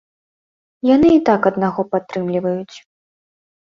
Яны і так аднаго падтрымліваюць.